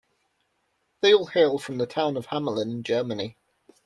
They all hail from the town of Hamelin in Germany.